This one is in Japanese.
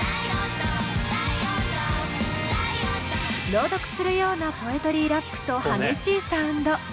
朗読するようなポエトリーラップと激しいサウンド。